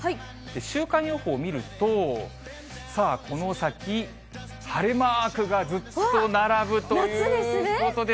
週間予報見ると、さあ、この先、晴れマークがずっと並ぶということで。